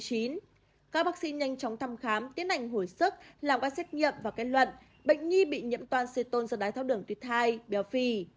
các bác sĩ nhanh chóng thăm khám tiến hành hồi sức làm qua xét nghiệm và kết luận bệnh nhi bị nhận toan xê tôn do đai tháo đường tuyết thai béo phi